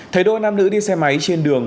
thầy đôi nam nữ đi xe máy trên đường